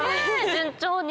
順調に。